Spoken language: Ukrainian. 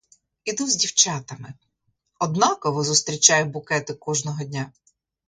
Іду з дівчатами — однаково зустрічаю букети кожного дня.